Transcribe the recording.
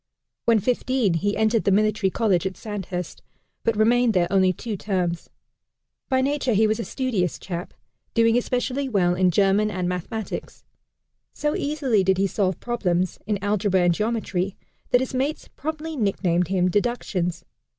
When fifteen, he entered the Military College at Sandhurst, but remained there only two terms. By nature he was a studious chap, doing especially well in German and mathematics. So easily did he solve problems in algebra and geometry, that his mates promptly nicknamed him "Deductions."